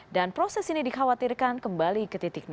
dan proses ini dikhawatirkan kembali ke titik